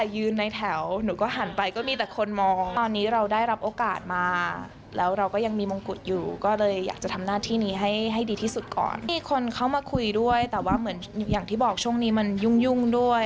อยากจะทำหน้าที่นี้ให้ดีที่สุดก่อนมีคนเข้ามาคุยด้วยแต่ว่าเหมือนอย่างที่บอกช่วงนี้มันยุ่งด้วย